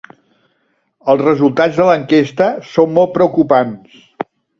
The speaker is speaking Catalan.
Els resultats de l’enquesta són molt preocupants.